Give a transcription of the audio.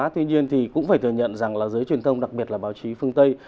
tuy nhiên thì cũng phải thừa nhận rằng là giới truyền thông đặc biệt là báo chí phương tây